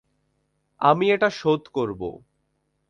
আমি এটা শোধ করব।